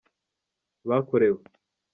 bakorewe.